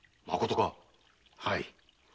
まことか⁉はい。